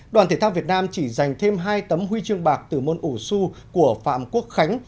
đoàn thể thao việt nam chỉ dành thêm hai tấm huy chương bạc từ môn ủ xu của phạm quốc khánh